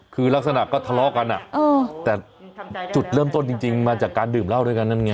คือลักษณะก็ทะเลาะกันแต่จุดเริ่มต้นจริงมาจากการดื่มเหล้าด้วยกันนั่นไง